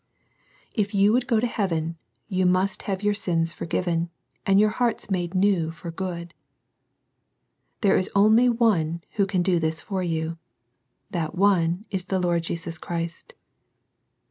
If you would go to heaven, you must have your sins forgiven, and your hearts made new and good. There is only One who can do this for you. That one is the Lord Jesus Christ.